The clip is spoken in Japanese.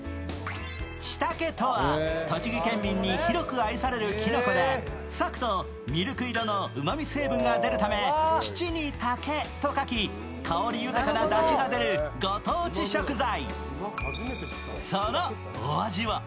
ちたけとは栃木県民に広く愛されているきのこで裂くとミルク色の旨み成分が出るため、「乳茸」と書くと、香り豊かなだしが出る絶品ご当地食材。